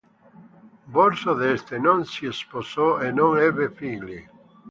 Borso d'Este non si sposò e non ebbe figli.